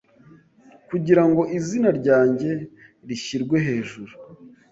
Kugira ngo izina ryanjye rishyirwehejuru